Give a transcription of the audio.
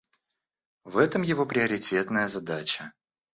В этом его приоритетная задача.